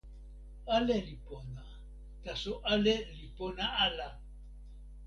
ale li pona.taso ale li pona ala!